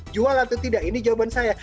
jual atau tidak ini jawaban saya